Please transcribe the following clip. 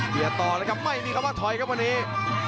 ต่อเลยครับไม่มีคำว่าถอยครับวันนี้